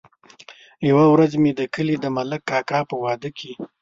يوه ورځ مې د کلي د ملک کاکا په واده کې.